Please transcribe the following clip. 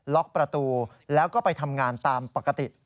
ล็อกประตูแล้วก็ไปทำงานตามปกติ